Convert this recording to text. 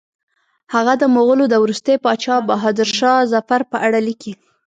هغه د مغولو د وروستي پاچا بهادر شاه ظفر په اړه لیکي.